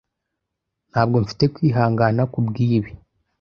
Ntabwo nfite kwihangana kubwibi.